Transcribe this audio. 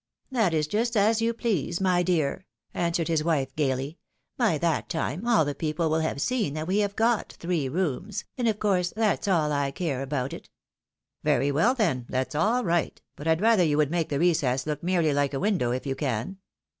" That is just as you please, my dear," answered his wife, gaily. " By that time, all the people will have seen that we have got three rooms ; and, of course, that's all I care about it." " Very well, then, that's all right ; but I'd rather you would make the recess look merely like a window if you can."